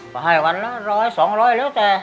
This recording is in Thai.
มาให้วันละร้อยสองร้อยแล้วแต่